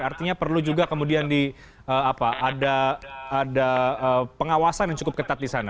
artinya perlu juga kemudian ada pengawasan yang cukup ketat di sana